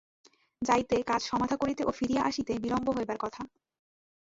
যাইতে, কাজ সমাধা করিতে ও ফিরিয়া আসিতে বিলম্ব হইবার কথা।